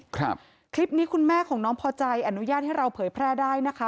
คลิปนี้คุณแม่ของน้องพอใจอนุญาตให้เราเผยแพร่ได้นะคะ